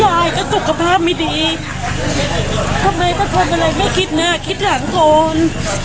ยายก็สุขภาพไม่ดีทำไมว่าเธอไปอะไรไม่คิดหน้าคิดทำคน